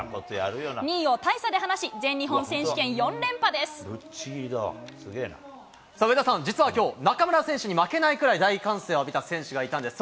２位を大差で離し、全日本選手権さあ、上田さん、実はきょう、中村選手に負けないくらい大歓声を浴びた選手がいたんです。